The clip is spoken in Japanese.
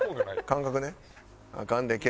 感覚ね。